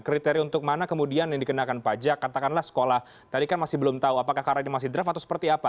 kriteria untuk mana kemudian yang dikenakan pajak katakanlah sekolah tadi kan masih belum tahu apakah karena ini masih draft atau seperti apa